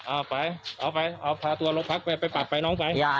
เอาไปเอาไปเอาพาตัวลงพักไปไปปรับไปน้องไป